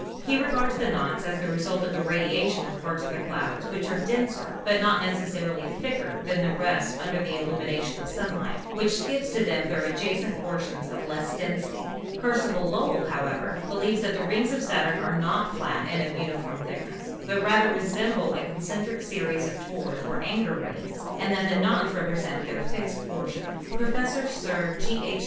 He regards the knots as the result of the radiation of parts of the clouds which are denser, but not necessarily thicker than the rest under the illumination of sunlight, which gives to them their adja cent portions of less density. Percival Lowell, however, believes that the rings of Saturn are not flat and of uni form thickness, but rather resemble a concentric series of tores or anchor rings, and that the knots represent their fixed portions. Professor Sir G. H.